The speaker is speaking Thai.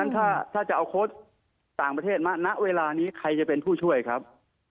แต่ถ้าโปรดต่างประเทศมานักเวลานี้ใครจะเป็นผู้ช่วยครับ